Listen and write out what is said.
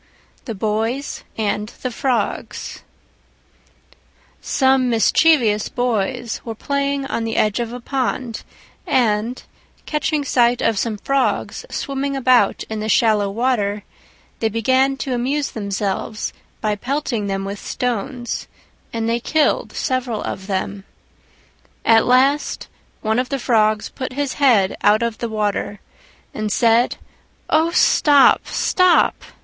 THE BOYS AND THE FROGS Some mischievous Boys were playing on the edge of a pond, and, catching sight of some Frogs swimming about in the shallow water, they began to amuse themselves by pelting them with stones, and they killed several of them. At last one of the Frogs put his head out of the water and said, "Oh, stop! stop!